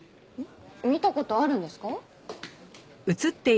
見た事あるんですか？